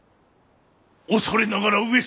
恐れながら上様。